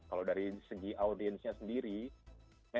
kalau dari segi audiensnya sendiri kalau dari segi audiensnya sendiri